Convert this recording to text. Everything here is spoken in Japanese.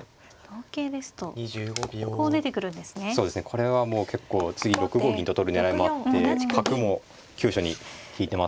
これはもう結構次６五銀と取る狙いもあって角も急所に利いてますから。